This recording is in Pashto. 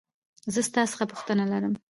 زه ستا څخه پوښتنه لرمه .